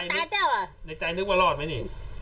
ในใจนึกว่ารอดไหมนี่